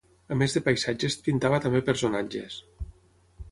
A més de paisatges pintava també personatges.